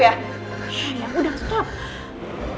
ya udah stop